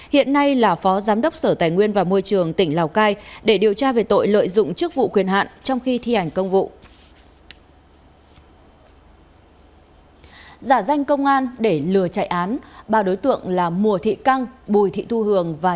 hiện nay là phó giám đốc sở tài nguyên và môi trường tỉnh lào cai để điều tra về tội lợi dụng chức vụ quyền hạn trong khi thi hành công vụ